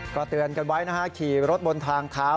ก็เตือนกันไว้นะฮะขี่รถบนทางเท้า